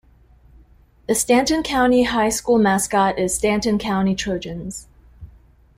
The Stanton County High School mascot is Stanton County Trojans.